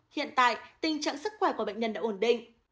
hiện tại tình trạng sức khỏe của bệnh nhân đã ổn định